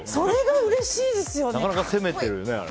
なかなか攻めてるよね、あれ。